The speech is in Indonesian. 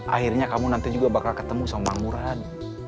akhirnya kamu nanti juga bakal ketemu sama mang murad